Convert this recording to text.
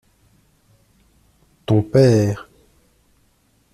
Ton père.